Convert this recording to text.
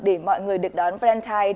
để mọi người được đón valentine